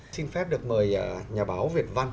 xin phép được mời nhà báo việt văn